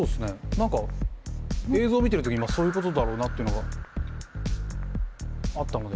何か映像見てる時にそういうことだろうなってのがあったので。